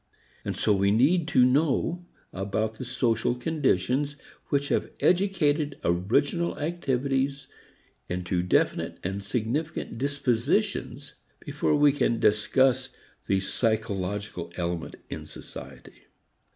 And so we need to know about the social conditions which have educated original activities into definite and significant dispositions before we can discuss the psychological element in society.